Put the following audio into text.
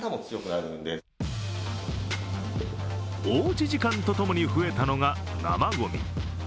おうち時間とともに増えたのが生ごみ。